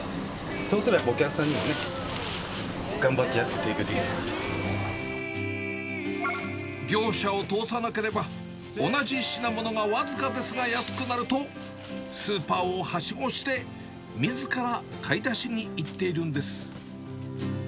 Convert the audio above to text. そうすればお客さんにもね、業者を通さなければ、同じ品物が僅かですが安くなると、スーパーをはしごしてみずから買い出しに行っているんです。